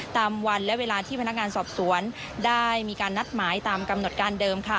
ตามวันและเวลาที่พนักงานสอบสวนได้มีการนัดหมายตามกำหนดการเดิมค่ะ